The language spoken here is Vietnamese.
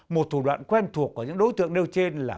một thủ đoạn quen thuộc của những đối tượng nêu trên là